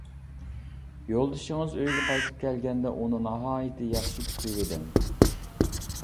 يولدىشىڭىز ئۆيگە قايتىپ كەلگەندە ئۇنى ناھايىتى ياخشى كۈتۈۋېلىڭ.